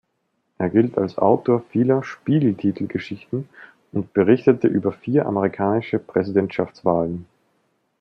Er gilt als Autor vieler Spiegel-Titelgeschichten und berichtete über vier amerikanische Präsidentschaftswahlen.